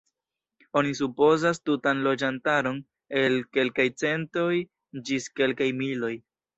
Oni supozas tutan loĝantaron el kelkaj centoj ĝis kelkaj miloj.